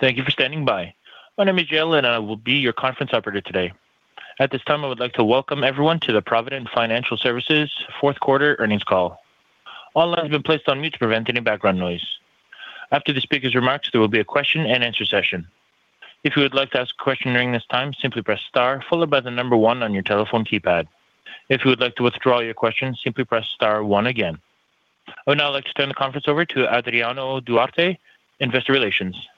Thank you for standing by. My name is Jill, and I will be your conference operator today. At this time, I would like to welcome everyone to the Provident Financial Services fourth quarter earnings call. All lines have been placed on mute to prevent any background noise. After the speaker's remarks, there will be a question-and-answer session. If you would like to ask a question during this time, simply press star followed by the number one on your telephone keypad. If you would like to withdraw your question, simply press star one again. I would now like to turn the conference over to Adriano Duarte, Investor Relations.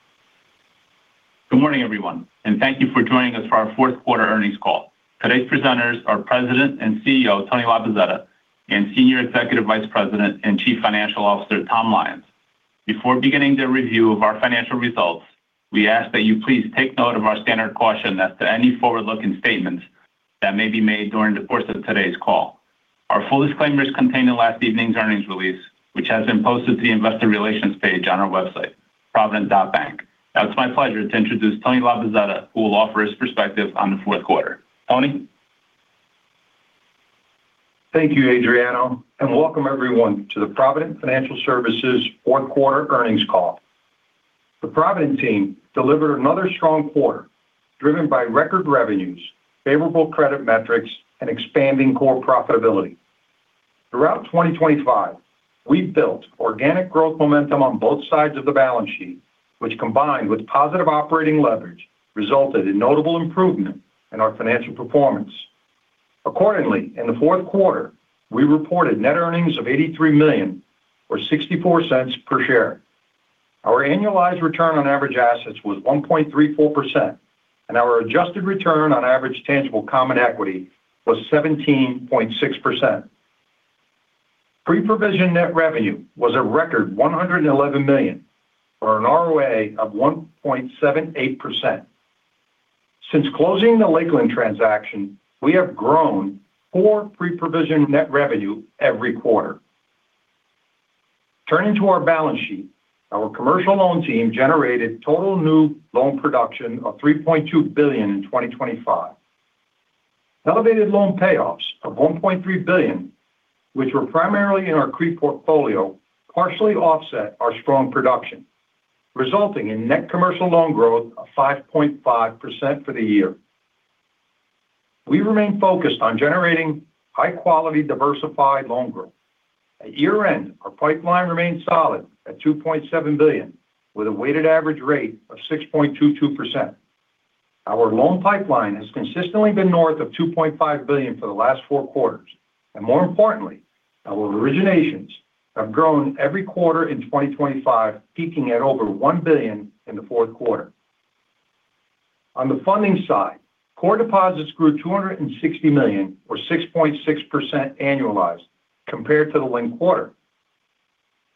Good morning, everyone, and thank you for joining us for our fourth quarter earnings call. Today's presenters are President and CEO, Tony Labozzetta, and Senior Executive Vice President and Chief Financial Officer, Tom Lyons. Before beginning the review of our financial results, we ask that you please take note of our standard caution as to any forward-looking statements that may be made during the course of today's call. Our full disclaimer is contained in last evening's earnings release, which has been posted to the investor relations page on our website, provident.bank. Now, it's my pleasure to introduce Tony Labozzetta, who will offer his perspective on the fourth quarter. Tony? Thank you, Adriano, and welcome everyone to the Provident Financial Services fourth quarter earnings call. The Provident team delivered another strong quarter, driven by record revenues, favorable credit metrics, and expanding core profitability. Throughout 2025, we built organic growth momentum on both sides of the balance sheet, which, combined with positive operating leverage, resulted in notable improvement in our financial performance. Accordingly, in the fourth quarter, we reported net earnings of $83 million or $0.64 per share. Our annualized return on average assets was 1.34%, and our adjusted return on average tangible common equity was 17.6%. Pre-provision net revenue was a record $111 million, or an ROA of 1.78%. Since closing the Lakeland transaction, we have grown four pre-provision net revenue every quarter. Turning to our balance sheet, our commercial loan team generated total new loan production of $3.2 billion in 2025. Elevated loan payoffs of $1.3 billion, which were primarily in our CRE portfolio, partially offset our strong production, resulting in net commercial loan growth of 5.5% for the year. We remain focused on generating high-quality, diversified loan growth. At year-end, our pipeline remained solid at $2.7 billion, with a weighted average rate of 6.22%. Our loan pipeline has consistently been north of $2.5 billion for the last four quarters, and more importantly, our originations have grown every quarter in 2025, peaking at over $1 billion in the fourth quarter. On the funding side, core deposits grew $260 million or 6.6% annualized compared to the linked quarter.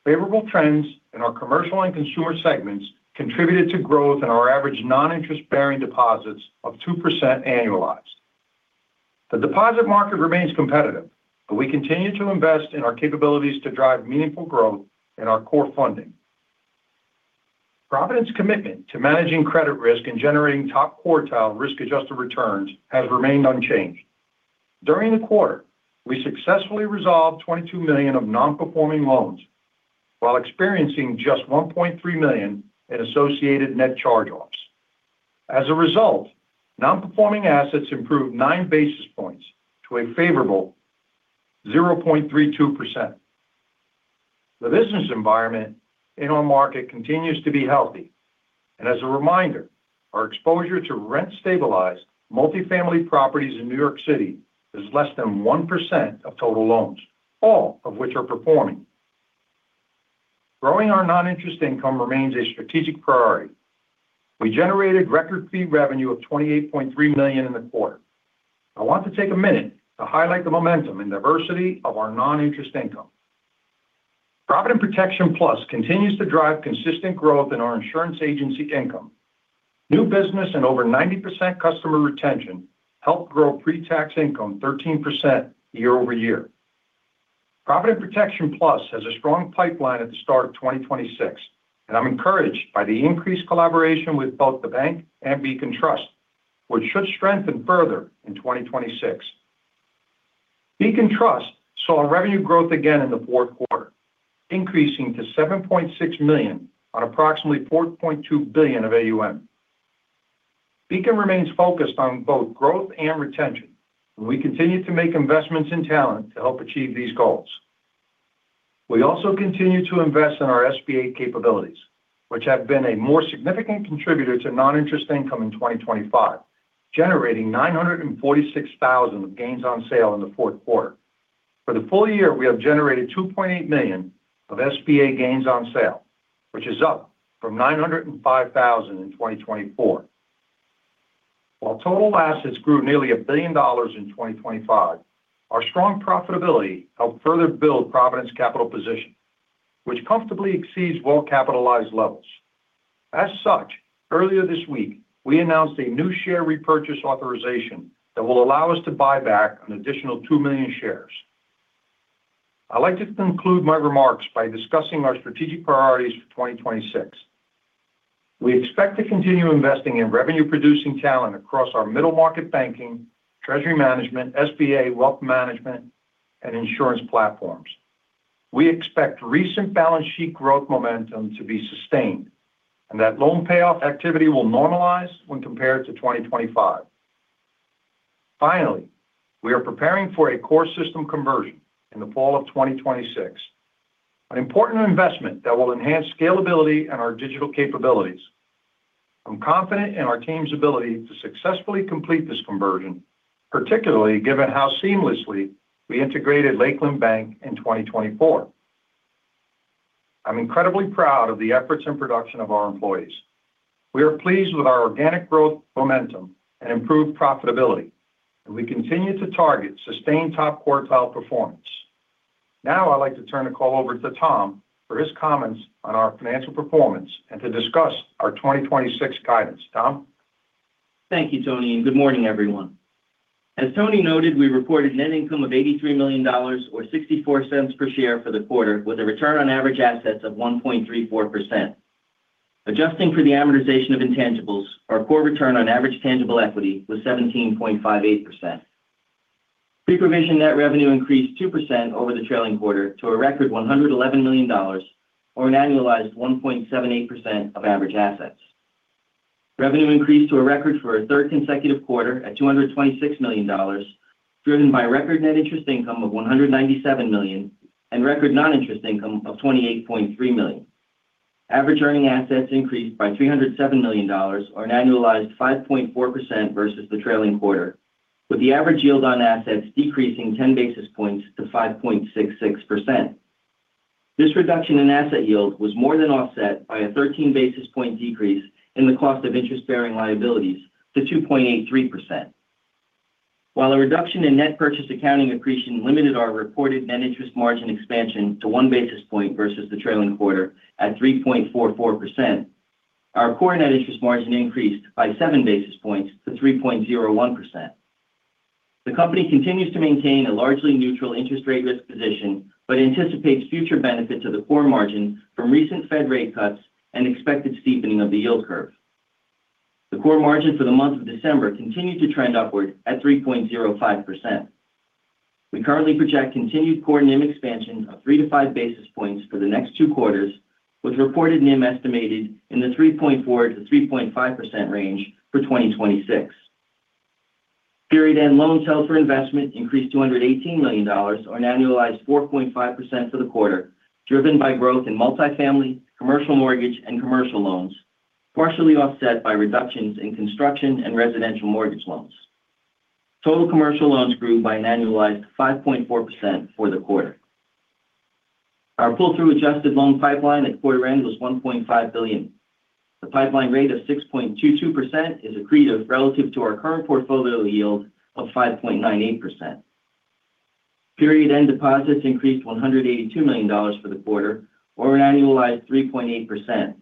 Favorable trends in our commercial and consumer segments contributed to growth in our average non-interest-bearing deposits of 2% annualized. The deposit market remains competitive, but we continue to invest in our capabilities to drive meaningful growth in our core funding. Provident's commitment to managing credit risk and generating top-quartile risk-adjusted returns has remained unchanged. During the quarter, we successfully resolved $22 million of non-performing loans while experiencing just $1.3 million in associated net charge-offs. As a result, non-performing assets improved nine basis points to a favorable 0.32%. The business environment in our market continues to be healthy, and as a reminder, our exposure to rent-stabilized multifamily properties in New York City is less than 1% of total loans, all of which are performing. Growing our non-interest income remains a strategic priority. We generated record fee revenue of $28.3 million in the quarter. I want to take a minute to highlight the momentum and diversity of our non-interest income. Provident Protection Plus continues to drive consistent growth in our insurance agency income. New business and over 90% customer retention helped grow pre-tax income 13% year-over-year. Provident Protection Plus has a strong pipeline at the start of 2026, and I'm encouraged by the increased collaboration with both the bank and Beacon Trust, which should strengthen further in 2026. Beacon Trust saw a revenue growth again in the fourth quarter, increasing to $7.6 million on approximately $4.2 billion of AUM. Beacon remains focused on both growth and retention, and we continue to make investments in talent to help achieve these goals. We also continue to invest in our SBA capabilities, which have been a more significant contributor to non-interest income in 2025, generating $946,000 of gains on sale in the fourth quarter. For the full year, we have generated $2.8 million of SBA gains on sale, which is up from $905,000 in 2024. While total assets grew nearly $1 billion in 2025, our strong profitability helped further build Provident's capital position, which comfortably exceeds well-capitalized levels. As such, earlier this week, we announced a new share repurchase authorization that will allow us to buy back an additional 2 million shares. I'd like to conclude my remarks by discussing our strategic priorities for 2026. We expect to continue investing in revenue-producing talent across our middle market banking, treasury management, SBA, wealth management, and insurance platforms.... We expect recent balance sheet growth momentum to be sustained, and that loan payoff activity will normalize when compared to 2025. Finally, we are preparing for a core system conversion in the fall of 2026, an important investment that will enhance scalability and our digital capabilities. I'm confident in our team's ability to successfully complete this conversion, particularly given how seamlessly we integrated Lakeland Bank in 2024. I'm incredibly proud of the efforts and production of our employees. We are pleased with our organic growth momentum and improved profitability, and we continue to target sustained top quartile performance. Now, I'd like to turn the call over to Tom for his comments on our financial performance and to discuss our 2026 guidance. Tom? Thank you, Tony, and good morning, everyone. As Tony noted, we reported net income of $83 million or $0.64 per share for the quarter, with a return on average assets of 1.34%. Adjusting for the amortization of intangibles, our core return on average tangible equity was 17.58%. Pre-provision net revenue increased 2% over the trailing quarter to a record $111 million, or an annualized 1.78% of average assets. Revenue increased to a record for a third consecutive quarter at $226 million, driven by record net interest income of $197 million and record non-interest income of $28.3 million. Average earning assets increased by $307 million or an annualized 5.4% versus the trailing quarter, with the average yield on assets decreasing 10 basis points to 5.66%. This reduction in asset yield was more than offset by a 13 basis point decrease in the cost of interest-bearing liabilities to 2.83%. While a reduction in net purchase accounting accretion limited our reported net interest margin expansion to 1 basis point versus the trailing quarter at 3.44%, our core net interest margin increased by seven basis points to 3.01%. The company continues to maintain a largely neutral interest rate risk position, but anticipates future benefit to the core margin from recent Fed rate cuts and expected steepening of the yield curve. The core margin for the month of December continued to trend upward at 3.05%. We currently project continued core NIM expansion of 3-5 basis points for the next two quarters, with reported NIM estimated in the 3.4%-3.5% range for 2026. Period end loan sales for investment increased to $118 million, or an annualized 4.5% for the quarter, driven by growth in multifamily, commercial mortgage, and commercial loans, partially offset by reductions in construction and residential mortgage loans. Total commercial loans grew by an annualized 5.4% for the quarter. Our pull-through adjusted loan pipeline at quarter end was $1.5 billion. The pipeline rate of 6.22% is accretive relative to our current portfolio yield of 5.98%. Period end deposits increased $182 million for the quarter, or an annualized 3.8%,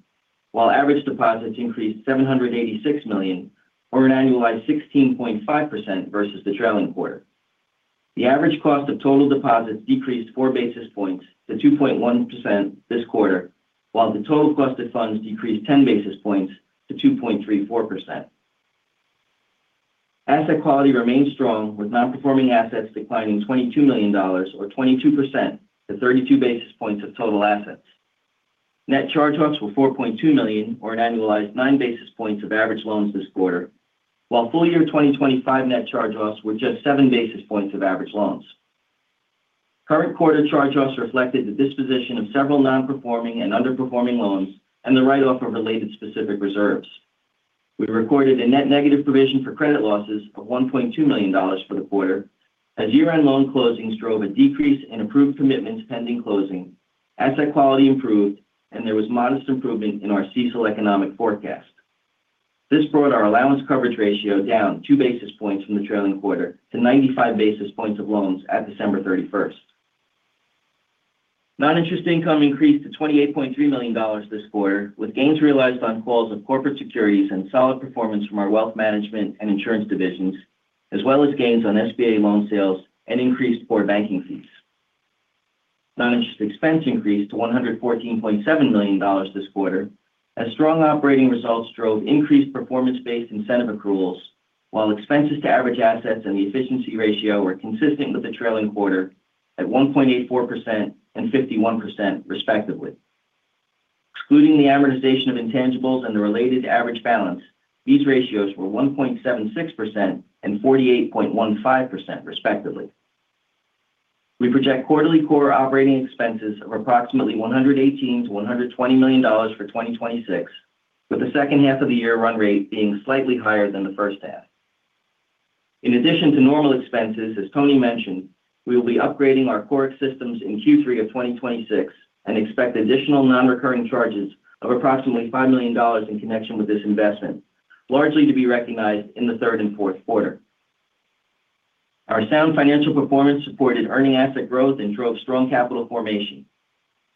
while average deposits increased $786 million, or an annualized 16.5% versus the trailing quarter. The average cost of total deposits decreased four basis points to 2.1% this quarter, while the total cost of funds decreased ten basis points to 2.34%. Asset quality remains strong, with non-performing assets declining $22 million or 22% to 32 basis points of total assets. Net charge-offs were $4.2 million, or an annualized nine basis points of average loans this quarter, while full year 2025 net charge-offs were just seven basis points of average loans. Current quarter charge-offs reflected the disposition of several non-performing and underperforming loans and the write-off of related specific reserves. We recorded a net negative provision for credit losses of $1.2 million for the quarter, as year-end loan closings drove a decrease in approved commitments pending closing, asset quality improved, and there was modest improvement in our CECL economic forecast. This brought our allowance coverage ratio down 2 basis points from the trailing quarter to 95 basis points of loans at December 31st. Non-interest income increased to $28.3 million this quarter, with gains realized on calls of corporate securities and solid performance from our wealth management and insurance divisions, as well as gains on SBA loan sales and increased core banking fees. Non-interest expense increased to $114.7 million this quarter, as strong operating results drove increased performance-based incentive accruals, while expenses to average assets and the efficiency ratio were consistent with the trailing quarter at 1.84% and 51% respectively. Excluding the amortization of intangibles and the related average balance, these ratios were 1.76% and 48.15%, respectively. We project quarterly core operating expenses of approximately $118 million-$120 million for 2026, with the second half of the year run rate being slightly higher than the first half. In addition to normal expenses, as Tony mentioned, we will be upgrading our core systems in Q3 of 2026 and expect additional non-recurring charges of approximately $5 million in connection with this investment, largely to be recognized in the third and fourth quarter. Our sound financial performance supported earning asset growth and drove strong capital formation.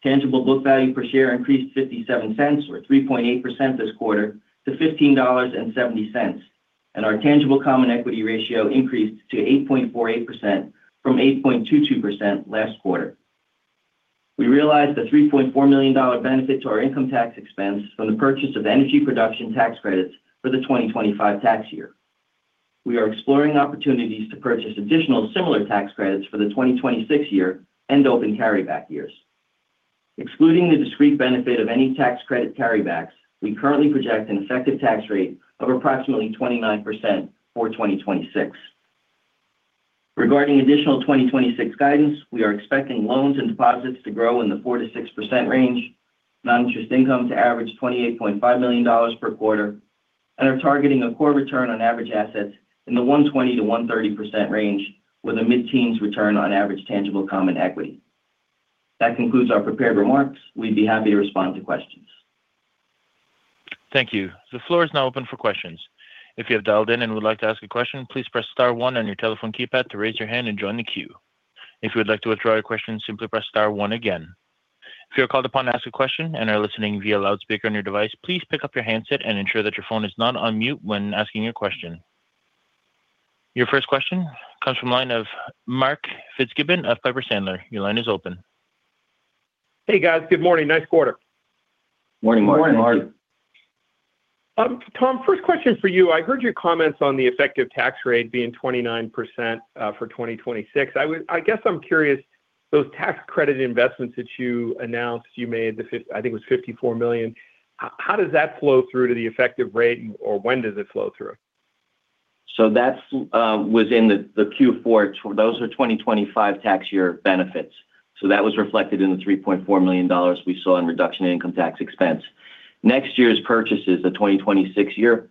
Tangible book value per share increased $0.57, or 3.8% this quarter, to $15.70, and our tangible common equity ratio increased to 8.48% from 8.22% last quarter. We realized a $3.4 million benefit to our income tax expense from the purchase of energy production tax credits for the 2025 tax year.... We are exploring opportunities to purchase additional similar tax credits for the 2026 year and open carryback years. Excluding the discrete benefit of any tax credit carrybacks, we currently project an effective tax rate of approximately 29% for 2026. Regarding additional 2026 guidance, we are expecting loans and deposits to grow in the 4%-6% range, non-interest income to average $28.5 million per quarter, and are targeting a core return on average assets in the 1.20%-1.30% range, with a mid-teens return on average tangible common equity. That concludes our prepared remarks. We'd be happy to respond to questions. Thank you. The floor is now open for questions. If you have dialed in and would like to ask a question, please press star one on your telephone keypad to raise your hand and join the queue. If you would like to withdraw your question, simply press star one again. If you are called upon to ask a question and are listening via loudspeaker on your device, please pick up your handset and ensure that your phone is not on mute when asking your question. Your first question comes from line of Mark Fitzgibbon of Piper Sandler. Your line is open. Hey, guys. Good morning. Nice quarter. Morning, Mark. Morning, Mark. Tom, first question for you. I heard your comments on the effective tax rate being 29%, for 2026. I guess I'm curious, those tax credit investments that you announced you made, I think it was $54 million, how does that flow through to the effective rate or when does it flow through? So that's was in the Q4. Those are 2025 tax year benefits. So that was reflected in the $3.4 million we saw in reduction in income tax expense. Next year's purchases, the 2026 year,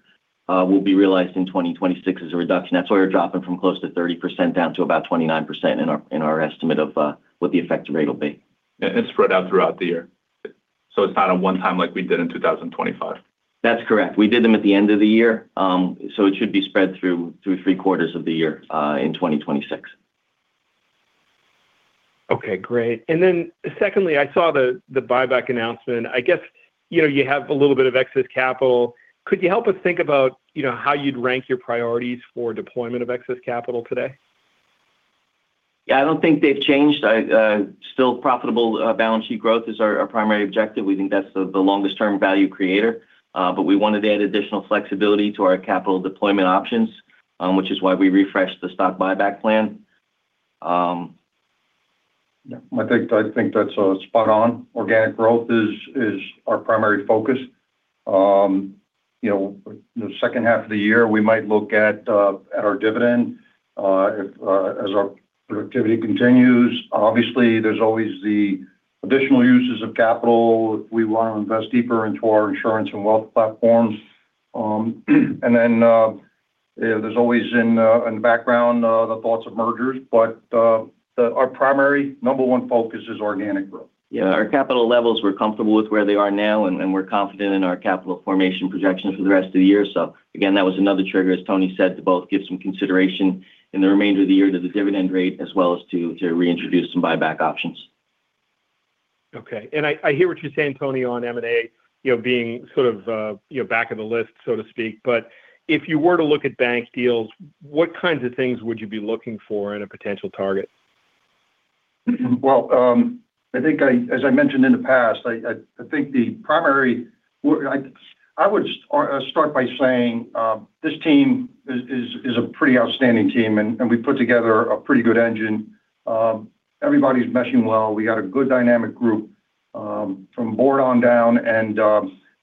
will be realized in 2026 as a reduction. That's why we're dropping from close to 30% down to about 29% in our estimate of what the effective rate will be. It's spread out throughout the year. So it's not a one-time like we did in 2025? That's correct. We did them at the end of the year, so it should be spread through three quarters of the year, in 2026. Okay, great. And then secondly, I saw the buyback announcement. I guess, you know, you have a little bit of excess capital. Could you help us think about, you know, how you'd rank your priorities for deployment of excess capital today? Yeah, I don't think they've changed. I still profitable, balance sheet growth is our primary objective. We think that's the longest term value creator, but we wanted to add additional flexibility to our capital deployment options, which is why we refreshed the stock buyback plan. Yeah, I think, I think that's spot on. Organic growth is our primary focus. You know, the second half of the year, we might look at our dividend, if as our productivity continues. Obviously, there's always the additional uses of capital. We want to invest deeper into our insurance and wealth platforms. And then, there's always in the background the thoughts of mergers, but our primary number one focus is organic growth. Yeah. Our capital levels, we're comfortable with where they are now, and we're confident in our capital formation projections for the rest of the year. So again, that was another trigger, as Tony said, to both give some consideration in the remainder of the year to the dividend rate, as well as to reintroduce some buyback options. Okay. And I hear what you're saying, Tony, on M&A, you know, being sort of, you know, back in the list, so to speak. But if you were to look at bank deals, what kinds of things would you be looking for in a potential target? Well, I think as I mentioned in the past, I think the primary I would start by saying, this team is a pretty outstanding team, and we put together a pretty good engine. Everybody's meshing well. We got a good dynamic group, from board on down, and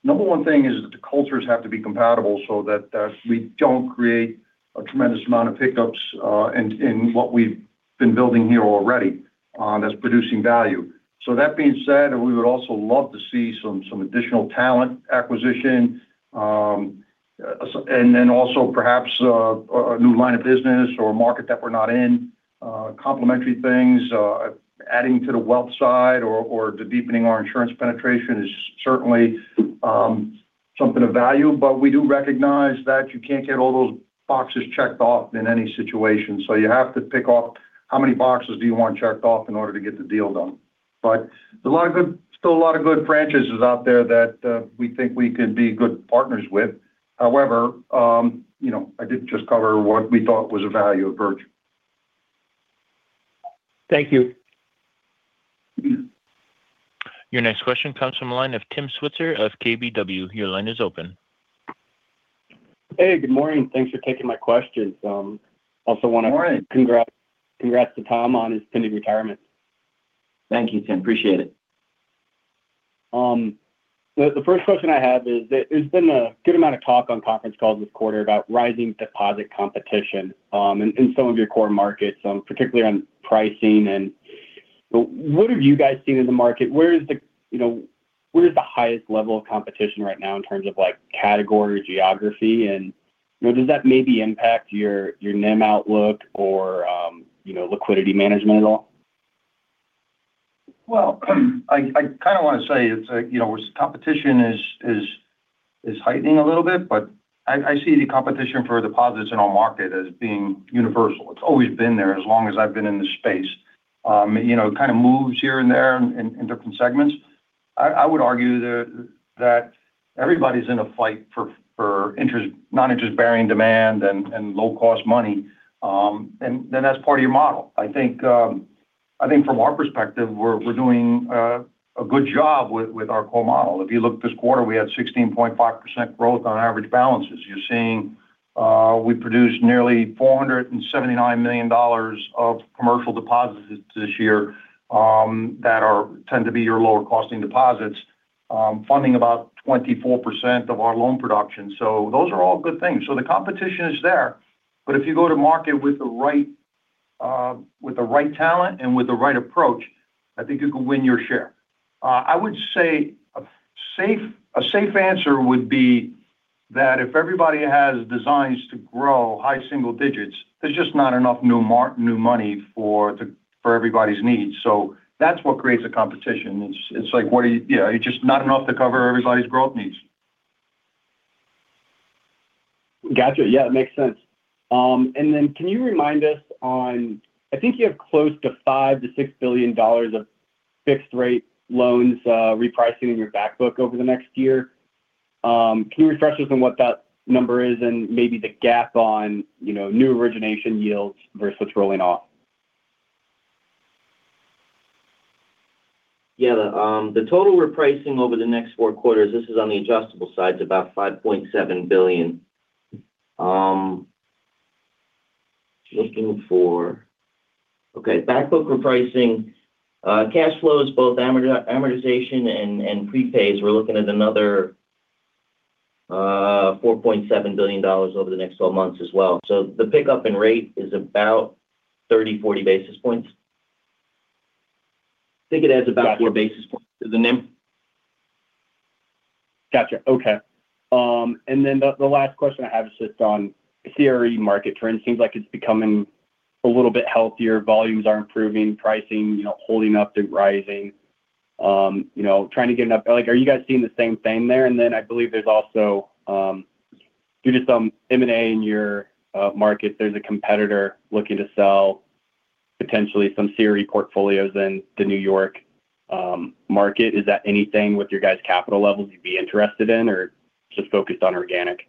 number one thing is that the cultures have to be compatible so that we don't create a tremendous amount of hiccups in what we've been building here already, that's producing value. So that being said, we would also love to see some additional talent acquisition, and then also perhaps a new line of business or market that we're not in. Complementary things, adding to the wealth side or to deepening our insurance penetration is certainly something of value, but we do recognize that you can't get all those boxes checked off in any situation. So you have to pick off how many boxes do you want checked off in order to get the deal done. But a lot of good still a lot of good franchises out there that we think we could be good partners with. However, you know, I did just cover what we thought was a value of Virgin. Thank you. Your next question comes from the line of Tim Switzer of KBW. Your line is open. Hey, good morning. Thanks for taking my questions. Also want to- Good morning. Congrats, congrats to Tom on his pending retirement. Thank you, Tim. Appreciate it. The first question I have is that there's been a good amount of talk on conference calls this quarter about rising deposit competition in some of your core markets, particularly on pricing and. But what have you guys seen in the market? Where is, you know, the highest level of competition right now in terms of, like, category or geography? And, you know, does that maybe impact your NIM outlook or, you know, liquidity management at all? Well, I kind of want to say it's, like, you know, competition is heightening a little bit, but I see the competition for deposits in our market as being universal. It's always been there as long as I've been in this space. You know, it kind of moves here and there in different segments. I would argue that everybody's in a fight for interest, non-interest-bearing demand and low-cost money, and then that's part of your model. I think from our perspective, we're doing a good job with our core model. If you look this quarter, we had 16.5% growth on average balances. You're seeing, we produced nearly $479 million of commercial deposits this year, that tend to be your lower costing deposits, funding about 24% of our loan production. So those are all good things. So the competition is there, but if you go to market with the right, with the right talent and with the right approach, I think you can win your share. I would say a safe answer would be that if everybody has designs to grow high single digits, there's just not enough new money for everybody's needs. So that's what creates a competition. It's like, Yeah, it's just not enough to cover everybody's growth needs. Got you. Yeah, it makes sense. And then can you remind us on—I think you have close to $5-$6 billion of fixed rate loans repricing in your back book over the next year. Can you refresh us on what that number is, and maybe the gap on, you know, new origination yields versus what's rolling off? Yeah, the total repricing over the next four quarters, this is on the adjustable side, is about $5.7 billion. Looking for... Okay, back book repricing, cash flows, both amortization and prepays, we're looking at another $4.7 billion over the next 12 months as well. So the pickup in rate is about 30-40 basis points. I think it adds about 4 basis points to the NIM. Gotcha. Okay. And then the last question I have is just on CRE market trends. Seems like it's becoming a little bit healthier. Volumes are improving, pricing, you know, holding up to rising. You know, like, are you guys seeing the same thing there? And then I believe there's also, due to some M&A in your market, there's a competitor looking to sell potentially some CRE portfolios in the New York market. Is that anything with your guys' capital levels you'd be interested in or just focused on organic?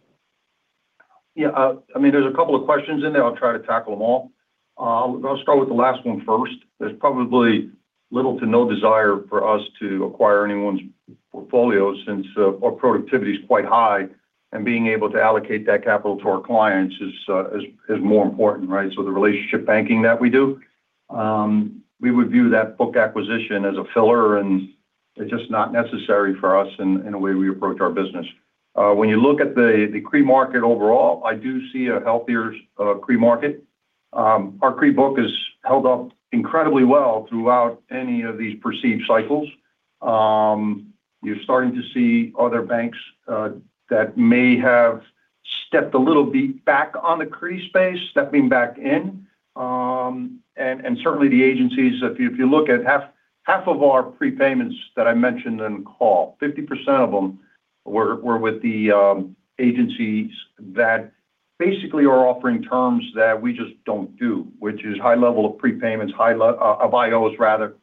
Yeah, I mean, there's a couple of questions in there. I'll try to tackle them all. I'll start with the last one first. There's probably little to no desire for us to acquire anyone's portfolio since our productivity is quite high, and being able to allocate that capital to our clients is more important, right? So the relationship banking that we do, we would view that book acquisition as a filler, and it's just not necessary for us in the way we approach our business. When you look at the CRE market overall, I do see a healthier CRE market. Our CRE book has held up incredibly well throughout any of these perceived cycles. You're starting to see other banks that may have stepped a little bit back on the CRE space, stepping back in. And certainly the agencies, if you look at half of our prepayments that I mentioned in call, 50% of them were with the agencies that basically are offering terms that we just don't do, which is high level of prepayments, high level of IOs rather,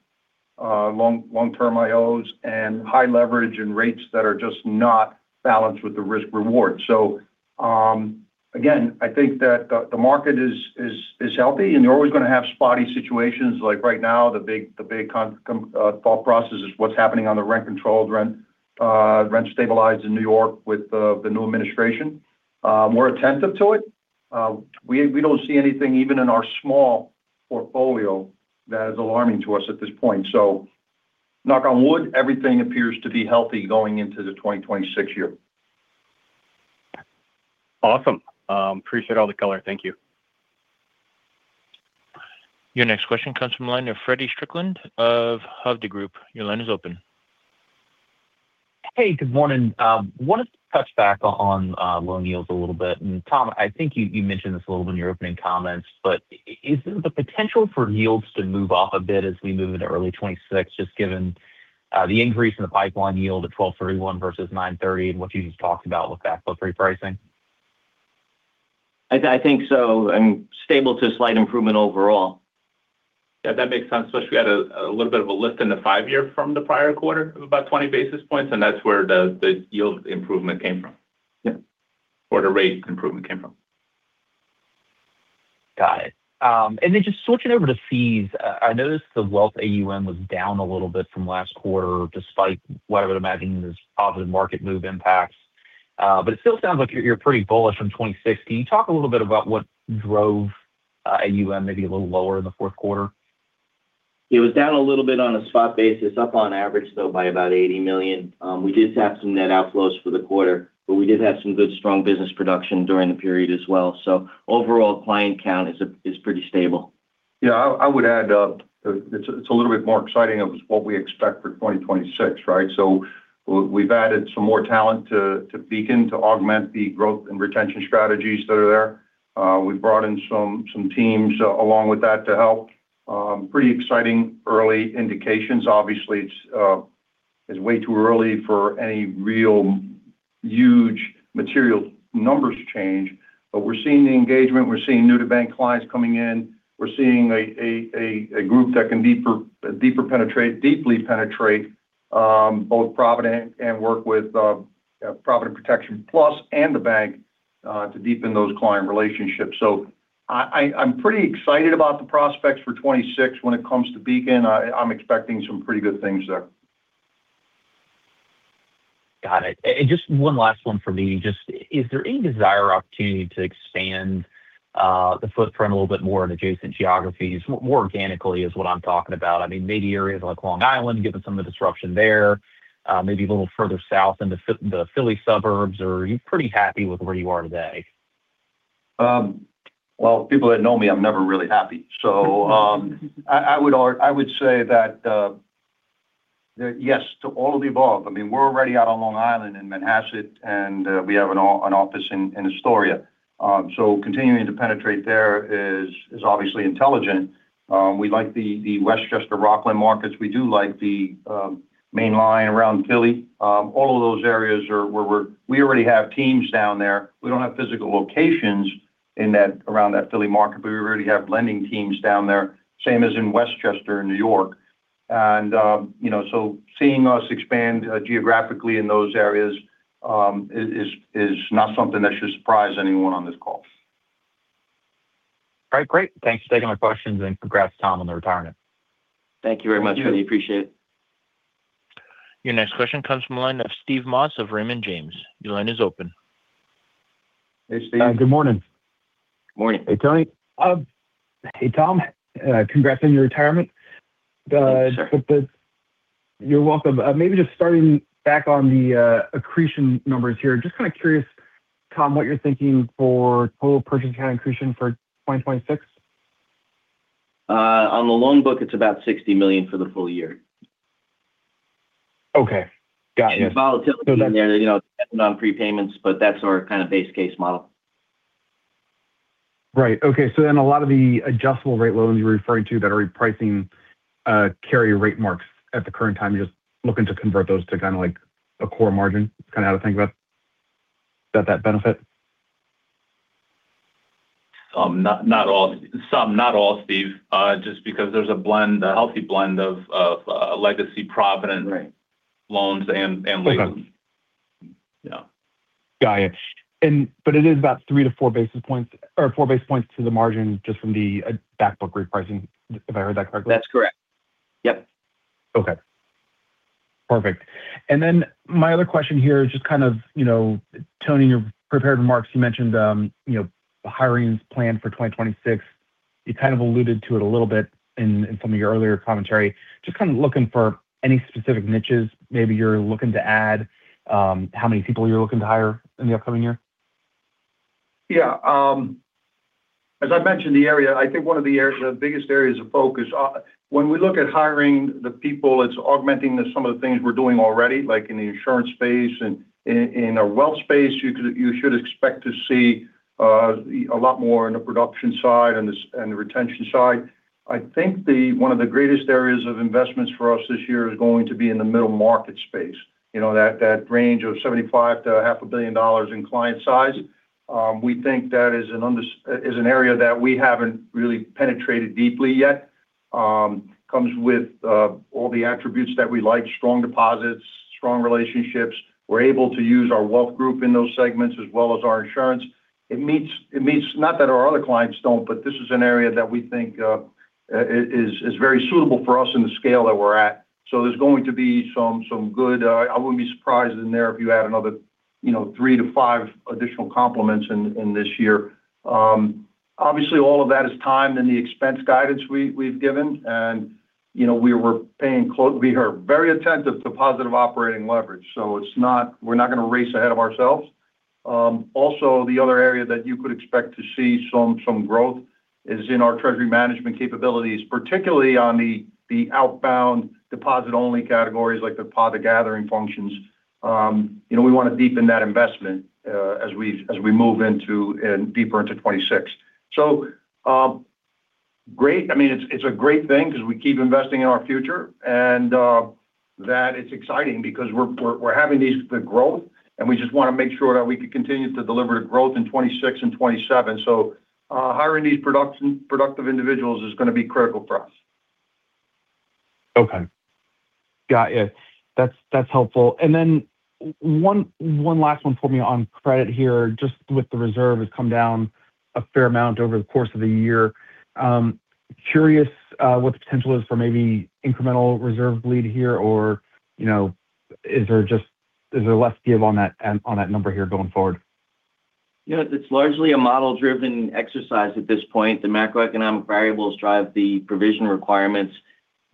long-term IOs and high leverage and rates that are just not balanced with the risk reward. So, again, I think that the market is healthy, and you're always gonna have spotty situations like right now, the big concern thought process is what's happening on the rent-controlled, rent-stabilized in New York with the new administration. We're attentive to it. We don't see anything, even in our small portfolio, that is alarming to us at this point. So knock on wood, everything appears to be healthy going into the 2026 year. Awesome. Appreciate all the color. Thank you. Your next question comes from line of Feddie Strickland of Hovde Group. Your line is open. Hey, good morning. Wanted to touch back on loan yields a little bit. Tom, I think you mentioned this a little in your opening comments, but is there the potential for yields to move up a bit as we move into early 2026, just given the increase in the pipeline yield to 12-31 versus 9-30, and what you just talked about with backflow repricing? I think so, and stable to slight improvement overall. Yeah, that makes sense, especially, we had a little bit of a lift in the five-year from the prior quarter of about 20 basis points, and that's where the yield improvement came from. Yeah. Or the rate improvement came from. Got it. And then just switching over to fees, I noticed the wealth AUM was down a little bit from last quarter, despite what I would imagine is positive market move impacts. But it still sounds like you're, you're pretty bullish on 2026. Can you talk a little bit about what drove AUM maybe a little lower in the fourth quarter? It was down a little bit on a spot basis, up on average, though, by about $80 million. We did have some net outflows for the quarter, but we did have some good, strong business production during the period as well. So overall, client count is pretty stable. Yeah, I would add, it's a little bit more exciting of what we expect for 2026, right? So we've added some more talent to Beacon to augment the growth and retention strategies that are there. We've brought in some teams along with that to help. Pretty exciting early indications. Obviously, it's way too early for any real huge material numbers change, but we're seeing the engagement, we're seeing new-to-bank clients coming in. We're seeing a group that can deeply penetrate both Provident and work with Provident Protection Plus and the bank to deepen those client relationships. So I'm pretty excited about the prospects for 2026 when it comes to Beacon. I'm expecting some pretty good things there. Got it. Just one last one for me. Just is there any desire or opportunity to expand, the footprint a little bit more in adjacent geographies? More, more organically is what I'm talking about. I mean, maybe areas like Long Island, given some of the disruption there, maybe a little further south into the Philly suburbs, or are you pretty happy with where you are today? Well, people that know me, I'm never really happy. So, I would say that yes to all of the above. I mean, we're already out on Long Island in Manhasset, and we have an office in Astoria. So continuing to penetrate there is obviously intelligent. We like the Westchester Rockland markets. We do like the Main Line around Philly. All of those areas are where we already have teams down there. We don't have physical locations around that Philly market, but we already have lending teams down there, same as in Westchester, in New York. You know, so seeing us expand geographically in those areas is not something that should surprise anyone on this call. All right, great. Thanks for taking my questions, and congrats, Tom, on the retirement. Thank you very much. Thank you. Really appreciate it. Your next question comes from the line of Steve Moss of Raymond James. Your line is open. Hey, Steve. Hi, good morning. Morning. Hey, Tony. Hey, Tom. Congrats on your retirement. Thank you, sir. You're welcome. Maybe just starting back on the accretion numbers here. Just kind of curious, Tom, what you're thinking for total purchase and accretion for 2026. On the loan book, it's about $60 million for the full year. Okay, got it. The volatility in there, you know, depending on prepayments, but that's our kind of base case model. Right. Okay. So then a lot of the adjustable rate loans you're referring to that are repricing, carry rate marks at the current time, you're just looking to convert those to kinda like a core margin? Kinda how to think about that, that benefit. Not all. Some, not all, Steve, just because there's a blend, a healthy blend of legacy Provident- Right loans and labels. Okay. Yeah. Got ya. But it is about 3-4 basis points or 4 basis points to the margin, just from the backbook repricing, if I heard that correctly? That's correct. Yep. Okay. Perfect. And then my other question here is just kind of, you know, Tony, in your prepared remarks, you mentioned, you know, hirings planned for 2026. You kind of alluded to it a little bit in some of your earlier commentary. Just kind of looking for any specific niches maybe you're looking to add, how many people you're looking to hire in the upcoming year? Yeah. As I mentioned, the area—I think one of the areas, the biggest areas of focus, when we look at hiring the people, it's augmenting some of the things we're doing already, like in the insurance space and in our wealth space. You could, you should expect to see a lot more in the production side and the retention side. I think one of the greatest areas of investments for us this year is going to be in the middle market space. You know, that range of $75-$500 million in client size. We think that is an area that we haven't really penetrated deeply yet. Comes with all the attributes that we like: strong deposits, strong relationships. We're able to use our wealth group in those segments as well as our insurance. It meets. Not that our other clients don't, but this is an area that we think is very suitable for us in the scale that we're at. So there's going to be some good. I wouldn't be surprised if you add another, you know, three to five additional complements in this year. Obviously, all of that is timed in the expense guidance we've given, and, you know, we are very attentive to positive operating leverage, so we're not gonna race ahead of ourselves. Also, the other area that you could expect to see some growth is in our treasury management capabilities, particularly on the outbound deposit-only categories, like the gathering functions. You know, we wanna deepen that investment as we move into and deeper into 2026. So, great—I mean, it's a great thing 'cause we keep investing in our future, and that it's exciting because we're having these, the growth, and we just wanna make sure that we can continue to deliver growth in 2026 and 2027. So, hiring these productive individuals is gonna be critical for us. Okay. Got it. That's, that's helpful. And then one, one last one for me on credit here, just with the reserve has come down a fair amount over the course of the year. Curious, what the potential is for maybe incremental reserve lead here or, you know, is there just- is there less give on that, on that number here going forward? You know, it's largely a model-driven exercise at this point. The macroeconomic variables drive the provision requirements.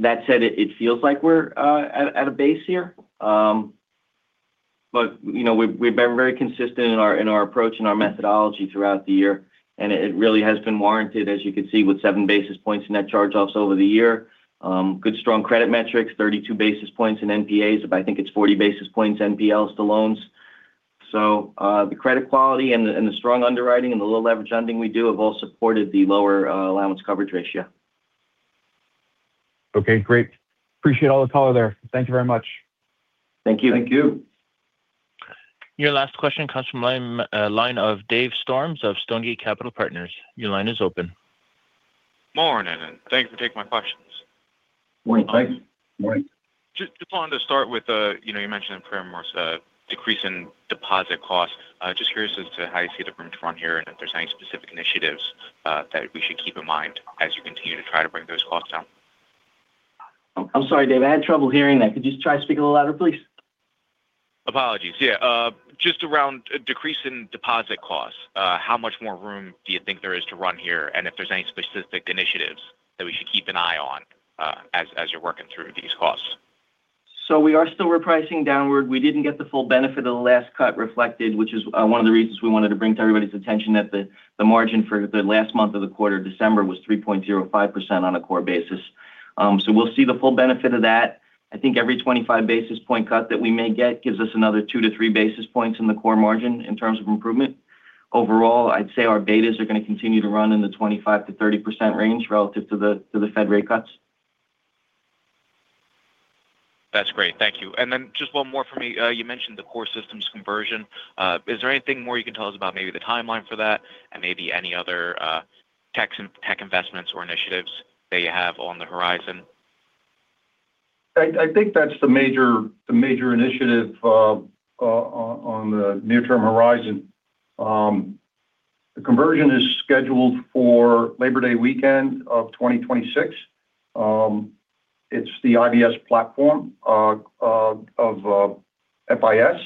That said, it feels like we're at a base here. But, you know, we've been very consistent in our approach and our methodology throughout the year, and it really has been warranted, as you can see, with 7 basis points in net charge-offs over the year. Good, strong credit metrics, 32 basis points in NPAs. I think it's 40 basis points, NPLs to loans. So, the credit quality and the strong underwriting and the low-leverage lending we do have all supported the lower allowance coverage ratio. Okay, great. Appreciate all the color there. Thank you very much. Thank you. Thank you. Your last question comes from line of Dave Storms of Stonegate Capital Partners. Your line is open. Morning, and thank you for taking my questions. Morning. Thank you. Morning. Just wanted to start with, you know, you mentioned in parameters, decrease in deposit costs. Just curious as to how you see the room to run here, and if there's any specific initiatives that we should keep in mind as you continue to try to bring those costs down? I'm sorry, Dave, I had trouble hearing that. Could you just try to speak a little louder, please? Apologies. Yeah, just around decrease in deposit costs, how much more room do you think there is to run here? And if there's any specific initiatives that we should keep an eye on, as you're working through these costs? So we are still repricing downward. We didn't get the full benefit of the last cut reflected, which is one of the reasons we wanted to bring to everybody's attention, that the margin for the last month of the quarter, December, was 3.05% on a core basis. So we'll see the full benefit of that. I think every 25 basis point cut that we may get gives us another 2-3 basis points in the core margin in terms of improvement. Overall, I'd say our betas are going to continue to run in the 25%-30% range relative to the Fed rate cuts. That's great. Thank you. And then just one more for me. You mentioned the core systems conversion. Is there anything more you can tell us about maybe the timeline for that and maybe any other, tech investments or initiatives that you have on the horizon? I think that's the major, the major initiative on the near-term horizon. The conversion is scheduled for Labor Day weekend of 2026. It's the IBS platform of FIS.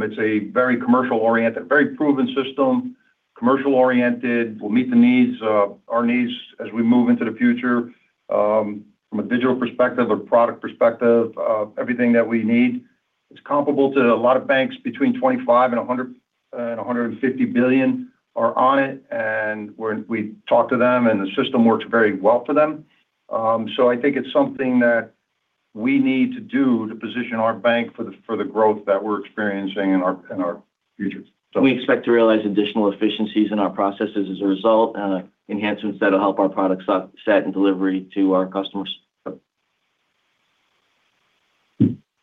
It's a very commercial-oriented very proven system, commercial-oriented, will meet the needs of our needs as we move into the future, from a digital perspective or product perspective, everything that we need. It's comparable to a lot of banks between 25 and 100 and 150 billion are on it, and we talk to them, and the system works very well for them. So I think it's something that we need to do to position our bank for the growth that we're experiencing in our futures. We expect to realize additional efficiencies in our processes as a result, and enhancements that will help our product set and delivery to our customers.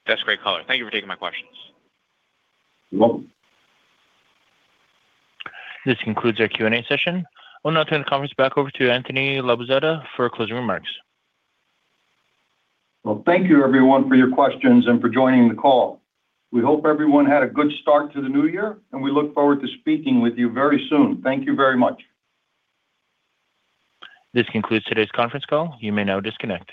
That's great color. Thank you for taking my questions. You're welcome. This concludes our Q&A session. We'll now turn the conference back over to Anthony Labozzetta for closing remarks. Well, thank you everyone for your questions and for joining the call. We hope everyone had a good start to the new year, and we look forward to speaking with you very soon. Thank you very much. This concludes today's conference call. You may now disconnect.